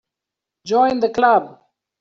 Join the Club.